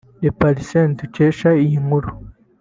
Leparisien dukesha iyi nkuru